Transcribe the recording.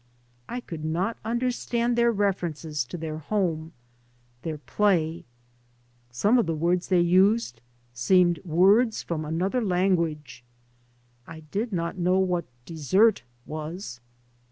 I could not understand their references to their home, their play. Some of the words they used seemed words from another lan guage. I did not know what " dessert " was.